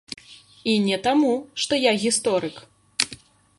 І не таму, што я гісторык.